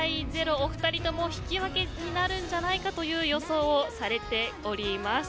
お２人とも引き分けになるんじゃないかという予想をされております。